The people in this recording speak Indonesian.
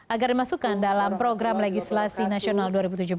agar dimasukkan dalam program legislasi nasional dua ribu tujuh belas